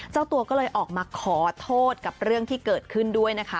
เจ้าตัวก็เลยออกมาขอโทษกับเรื่องที่เกิดขึ้นด้วยนะคะ